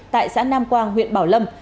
tại xã nam quang huyện bảo lâm